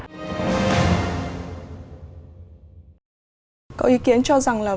các ý kiến cho rằng là